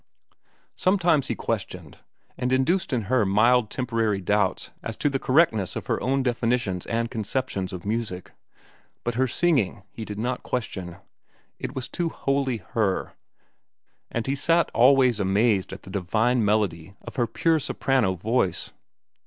Sometimes he questioned, and induced in her mind temporary doubts as to the correctness of her own definitions and conceptions of music. But her singing he did not question. It was too wholly her, and he sat always amazed at the divine melody of her pure soprano voice.